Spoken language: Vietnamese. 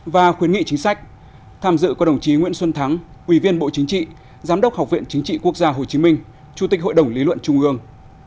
và khuyến nghị chính sách tham dự có đồng chí nguyễn xuân thắng quỳ viên bộ chính trị giám đốc học viện chính trị quốc gia hồ chí minh chủ tịch hội đồng lý luận trung ương